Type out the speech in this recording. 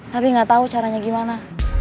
tapi nggak tahu caranya gimana